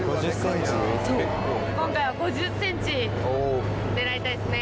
今回は５０ｃｍ狙いたいですね。